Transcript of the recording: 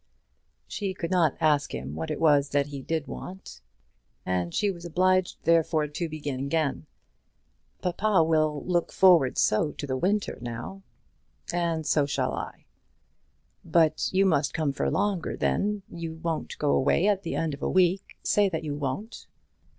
She could not ask him what it was that he did want, and she was obliged therefore to begin again. "Papa will look forward so to the winter now." "And so shall I." "But you must come for longer then; you won't go away at the end of a week? Say that you won't."